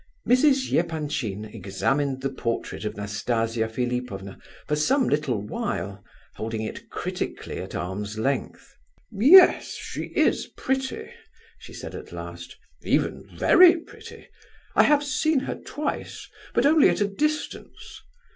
Mrs. Epanchin examined the portrait of Nastasia Philipovna for some little while, holding it critically at arm's length. "Yes, she is pretty," she said at last, "even very pretty. I have seen her twice, but only at a distance.